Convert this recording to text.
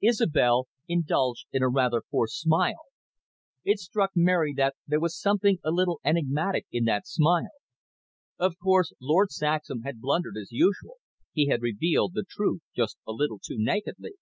Isobel indulged in a rather forced smile; it struck Mary that there was something a little enigmatic in that smile. Of course, Lord Saxham had blundered as usual, he had revealed the truth just a little too nakedly.